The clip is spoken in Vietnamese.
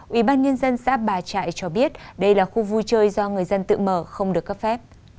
ủy ban nhân dân xã ba trại cho biết đây là khu vui chơi do người dân tự mở không được cấp phép